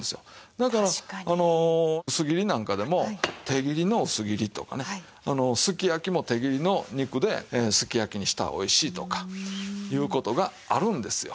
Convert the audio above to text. だから薄切りなんかでも手切りの薄切りとかね。すき焼きも手切りの肉ですき焼きにしたらおいしいとかいう事があるんですよ。